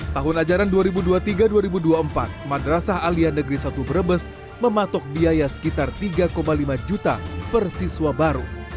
tahun ajaran dua ribu dua puluh tiga dua ribu dua puluh empat madrasah alian negeri satu brebes mematok biaya sekitar tiga lima juta per siswa baru